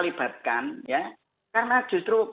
libatkan ya karena justru